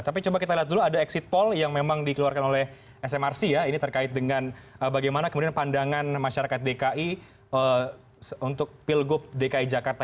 tapi coba kita lihat dulu ada exit poll yang memang dikeluarkan oleh smrc ya ini terkait dengan bagaimana kemudian pandangan masyarakat dki untuk pilgub dki jakarta